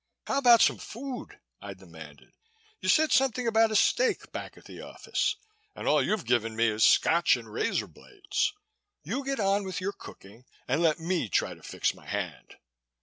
"How about some food?" I demanded. "You said something about a steak back at the office and all you've given me is Scotch and razor blades. You get on with your cooking and let me try to fix my hand."